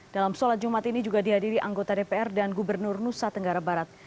dalam sholat jumat ini juga dihadiri anggota dpr dan gubernur nusa tenggara barat